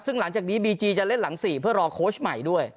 ซึ่งหลังจากนี้บีจีจะเล่นหลัง๔เพื่อรอโค้ชใหม่ด้วย